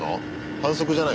反則じゃない？